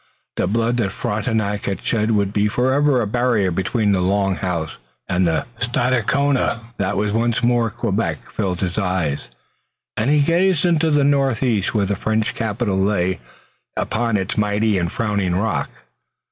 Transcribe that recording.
The blood that Frontenac had shed would be forever a barrier between the Long House and the Stadacona that was. Once more Quebec filled his eye, and he gazed into the northeast where the French capital lay upon its mighty and frowning rock.